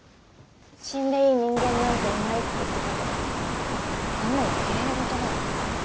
「死んでいい人間なんていない」って言ってたけどあんなのきれい事だよ。